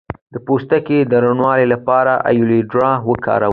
د پوستکي روڼوالي لپاره ایلوویرا وکاروئ